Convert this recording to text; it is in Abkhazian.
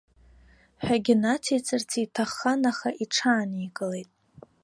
Ҳәагьы нациҵарц иҭаххан, аха иҽааникылеит.